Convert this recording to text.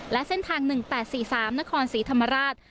และเส้นทาง๑๘๔๓นครศรีธรรมราช